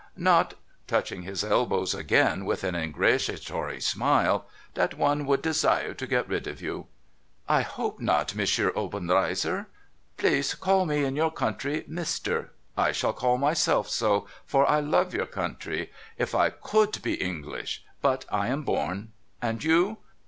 Not,' touching his elbows again, with an ingratiatory smilCj ' that one would desire to get rid of you.' ' I hope not, M. Obenreizer.' ' Please call me, in your country, Mr. I call myself so, for I love your country. If I could be English ! But I am born. And you